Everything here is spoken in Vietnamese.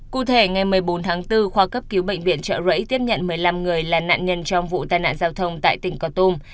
cụ thể ngày một mươi bốn tháng bốn khoa cấp cứu bệnh viện trợ rẫy tiếp nhận một mươi năm người là nạn nhân trong vụ tai nạn giao thông tại tỉnh con tum